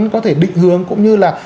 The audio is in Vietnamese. có thể định hướng cũng như là